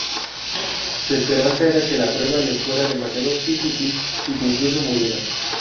Su esperanza era que la prueba le fuera demasiado difícil y que incluso muriera.